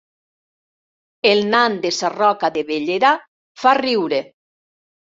El nan de Sarroca de Bellera fa riure